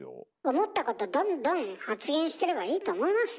思ったことどんどん発言してればいいと思いますよ。